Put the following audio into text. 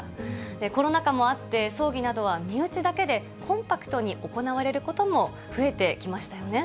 コロナ禍もあって、葬儀などは身内だけで、コンパクトに行われることも増えてきましたよね。